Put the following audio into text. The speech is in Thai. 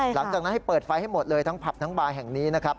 หลังจากนั้นให้เปิดไฟให้หมดเลยทั้งผับทั้งบาร์แห่งนี้นะครับ